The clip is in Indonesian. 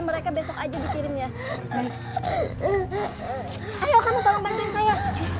mereka besok aja dikirimnya ayo kamu tolong bantuin saya